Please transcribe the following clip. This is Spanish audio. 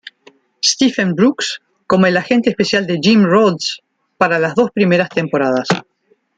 Stephen Brooks como el agente especial de Jim Rhodes, para las dos primeras temporadas.